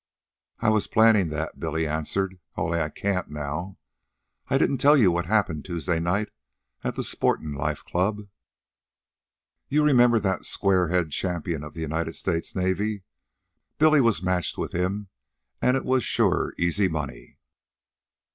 "I was plannin' that," Billy answered, "only I can't now. I didn't tell you what happened Tuesday night at the Sporting Life Club. You remember that squarehead Champion of the United States Navy? Bill was matched with him, an' it was sure easy money.